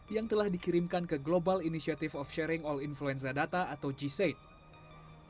yang telah dikirimkan ke global initiative of sharing all influenza data atau g sate